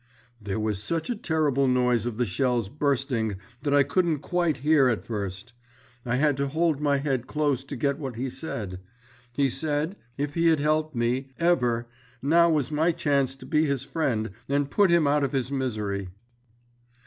There was such a terrible noise of the shells bursting that I couldn't quite hear at first— I had to hold my head close to get what he said.... He said—if he had helped me, ever—now was my chance to be his friend ... and put him out of his misery...."